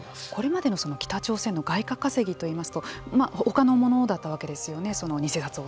これまでの北朝鮮の外貨稼ぎといいますと他のものだったわけですよね。